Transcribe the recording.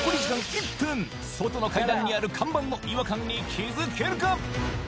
１分外の階段にある看板の違和感に気づけるか？